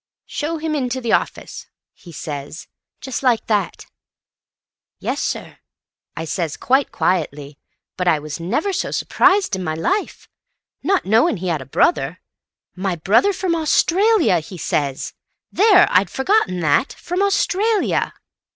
'Show him into the office,' he says, just like that. 'Yes, sir,' I says quite quietly, but I was never so surprised in my life, not knowing he had a brother. 'My brother from Australia,' he says—there, I'd forgotten that. From Australia."